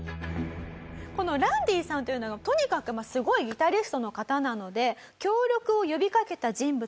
このランディさんというのがとにかくすごいギタリストの方なので。